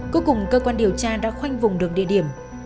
cuối cùng cơ quan điều tra đã khoanh vùng được địa điểm